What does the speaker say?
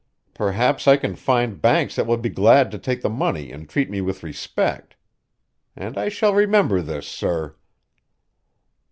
Perhaps I can find banks that will be glad to take the money and treat me with respect. And I shall remember this, sir!"